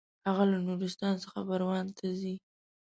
هغه له نورستان څخه پروان ته ځي.